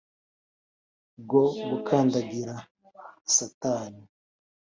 bwo gukandagira Satani